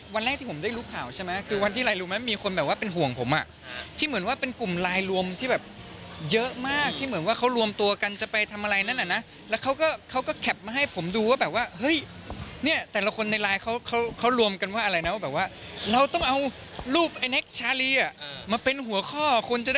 วันแรกที่ผมได้รู้ข่าวใช่ไหมคือวันที่อะไรรู้ไหมมีคนแบบว่าเป็นห่วงผมอ่ะที่เหมือนว่าเป็นกลุ่มไลน์รวมที่แบบเยอะมากที่เหมือนว่าเขารวมตัวกันจะไปทำอะไรนั่นน่ะนะแล้วเขาก็เขาก็แคปมาให้ผมดูว่าแบบว่าเฮ้ยเนี่ยแต่ละคนในไลน์เขาเขารวมกันว่าอะไรนะว่าแบบว่าเราต้องเอารูปไอ้เน็กชาลีอ่ะมาเป็นหัวข้อคนจะได้